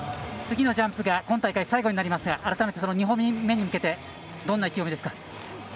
次のジャンプがこの大会最後となりますが改めて、２本目に向けてどんな意気込みですか？